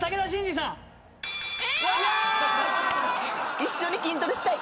一緒に筋トレしたい！